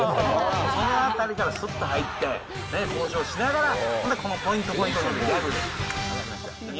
そのあたりからすっと入って、ね、交渉しながら、ポイントポイントでギャグ。